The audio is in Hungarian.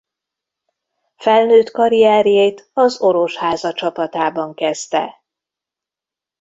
Felnőtt karrierjét az Orosháza csapatában kezdte.